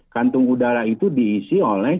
kantung udara itu diisi oleh